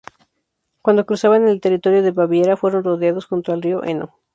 Cuando cruzaban al territorio de Baviera, fueron rodeados junto al río Eno.